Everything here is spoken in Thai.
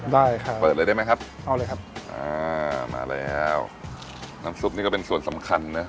ได้ค่ะเปิดเลยได้ไหมครับเอาเลยครับอ่ามาแล้วน้ำซุปนี่ก็เป็นส่วนสำคัญนะ